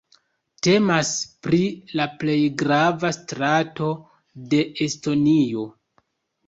Temas pri la plej grava strato de Estonio.